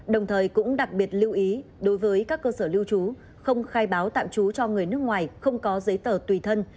đồng thời cũng đặc biệt lưu ý đối với các cơ sở lưu trú không khai báo tạm trú cho người nước ngoài không có giấy tờ tùy thân